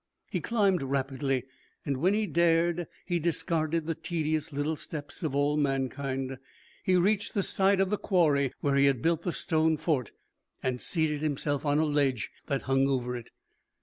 He climbed rapidly, and when he dared, he discarded the tedious little steps of all mankind. He reached the side of the quarry where he had built the stone fort, and seated himself on a ledge that hung over it.